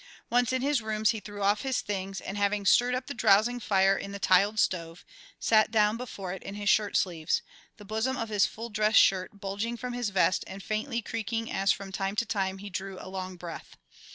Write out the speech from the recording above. Once in his rooms he threw off his things and, having stirred up the drowsing fire in the tiled stove, sat down before it in his shirt sleeves, the bosom of his full dress shirt bulging from his vest and faintly creaking as from time to time he drew a long breath.